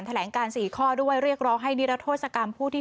คำสั่งข้อต่อจรที่๖๖ที่บอกว่าจะกุ้มคลอคนที่ไม่ใช่ในทุนเนี่ย